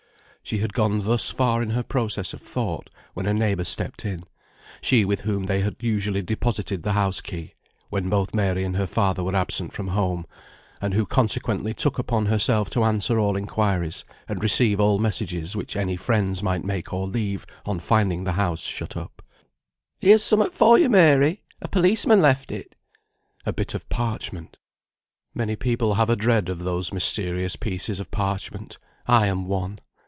She had gone thus far in her process of thought, when a neighbour stepped in; she with whom they had usually deposited the house key, when both Mary and her father were absent from home, and who consequently took upon herself to answer all inquiries, and receive all messages which any friends might make, or leave, on finding the house shut up. "Here's somewhat for you, Mary! A policeman left it." A bit of parchment. Many people have a dread of those mysterious pieces of parchment. I am one.